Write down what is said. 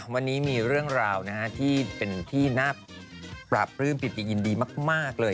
วันนี้มีเรื่องราวที่เป็นที่น่าปราบปลื้มปิติยินดีมากเลย